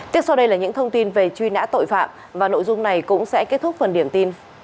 tiếp sau đây là những thông tin về truy nã tội phạm và nội dung này cũng sẽ kết thúc phần điểm tin